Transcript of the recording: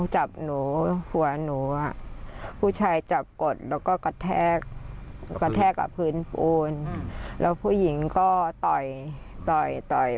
จับหนูหัวหนูผู้ชายจับกดแล้วก็กระแทกกับพื้นปูนแล้วผู้หญิงก็ต่อยต่อยต่อย